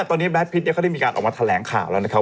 ตอนนี้แดดพิษเขาได้มีการออกมาแถลงข่าวแล้วนะครับ